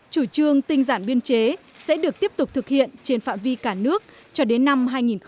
chủ trương tinh giản biên chế sẽ được tiếp tục thực hiện trên phạm vi cả nước cho đến năm hai nghìn hai mươi